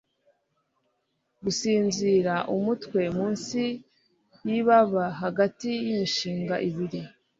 gusinzira, umutwe munsi yibaba, hagati yimishinga ibiri